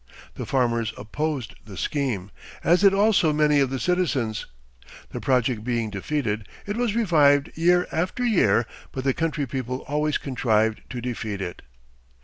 The farmers opposed the scheme, as did also many of the citizens. The project being defeated, it was revived year after year, but the country people always contrived to defeat it.